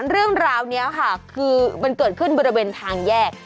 เรื่องราวนี้ค่ะคือมันเกิดขึ้นบริเวณทางแยก